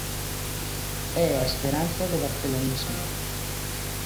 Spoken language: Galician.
É a esperanza do barcelonismo.